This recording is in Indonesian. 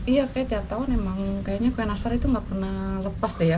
iya kayaknya tiap tahun emang kayaknya kue nastar itu nggak pernah lepas deh ya